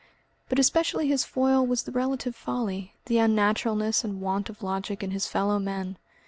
But especially his foil was the relative folly, the unnaturalness and want of logic in his fellow men.